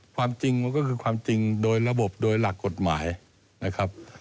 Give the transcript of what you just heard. ความจริงมันก็คือความจริงโดยระบบโดยหลักกฎหมายนะครับ